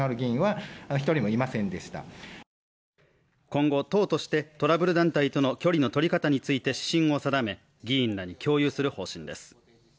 今後、党としてトラブル団体との距離の取り方について指針を定め議員らに共有する方針です。